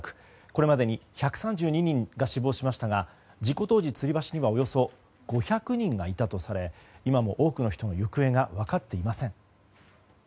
これまでに１３２人が死亡しましたが事故当時、つり橋にはおよそ５００人がいたとされ今も多くの人の行方が分かっていません。